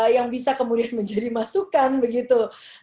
yang bisa kemudian menjadi masukan begitu